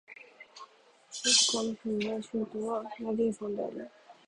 ウィスコンシン州の州都はマディソンである